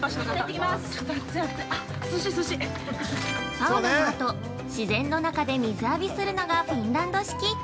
◆サウナの後、自然の中で水浴びするのがフィンランド式。